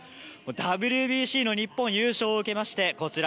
ＷＢＣの日本優勝を受けましてこちら